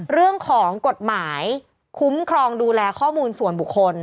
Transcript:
เรื่องของกฎหมายคุ้มครองดูแลข้อมูลส่วนบุคคล